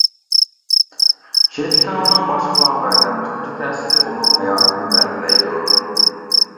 شىركىتىڭىزنىڭ باشقىلارغا بەرگەن تۇنجى تەسىرى ئۇنىڭ ھاياتىنى بەلگىلەيدۇ.